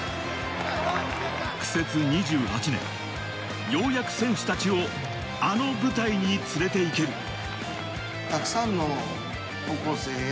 苦節２８年、ようやく選手たちをあの舞台に連れて行ける。